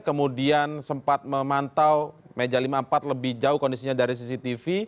kemudian sempat memantau meja lima puluh empat lebih jauh kondisinya dari cctv